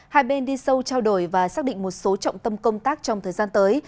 hai bên đi sâu trao đổi và xác định một số trọng tâm công tác trong thời gian tới